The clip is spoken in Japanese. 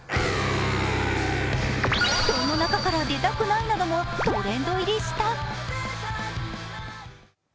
「布団の中から出たくない」などもトレンド入りした。